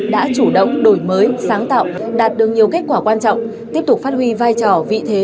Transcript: đã chủ động đổi mới sáng tạo đạt được nhiều kết quả quan trọng tiếp tục phát huy vai trò vị thế